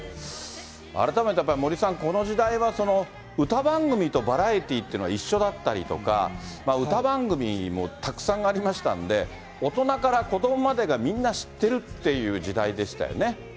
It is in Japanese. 改めてやっぱり森さん、この時代は歌番組とバラエティーっていうのが一緒だったりとか、歌番組もたくさんありましたんで、大人から子どもまでがみんな知ってるっていう時代でしたよね。